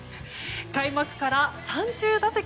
開幕から３０打席